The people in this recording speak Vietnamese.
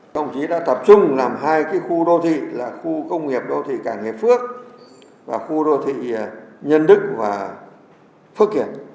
đồng chí đã tập trung làm hai cái khu đô thị là khu công nghiệp đô thị cải nghiệp phước và khu đô thị nhân đức và phước kiển